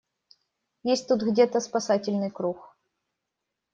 Есть тут где-то спасательный круг?